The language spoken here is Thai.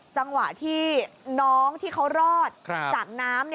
จังหวะที่น้องที่เขารอดจากน้ำ